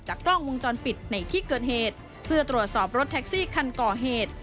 กล้องวงจรปิดในที่เกิดเหตุเพื่อตรวจสอบรถแท็กซี่คันก่อเหตุ